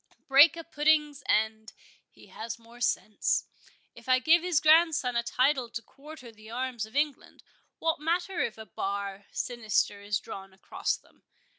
—Break a pudding's end—he has more sense. If I give his grandson a title to quarter the arms of England, what matter if a bar sinister is drawn across them?